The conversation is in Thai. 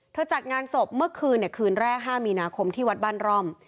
จัดงานศพเมื่อคืนคืนแรก๕มีนาคมที่วัดบ้านร่อม